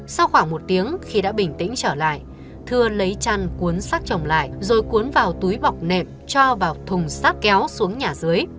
sau khoảng một tiếng khi đã bình tĩnh trở lại thưa lấy chăn cuốn xác chồng lại rồi cuốn vào túi bọc nệm cho vào thùng sát kéo xuống nhà dưới